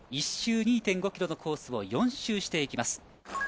１周２．５キロのコースを４周していきます。